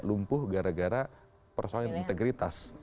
lumpuh gara gara persoalan integritas